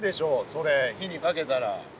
それ火にかけたら。